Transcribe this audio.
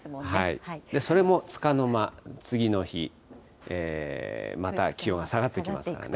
それもつかの間、次の日、また気温、下がっていきますからね。